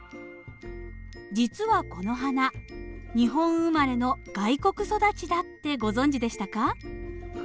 実はこの花日本生まれの外国育ちだってご存じでしたか？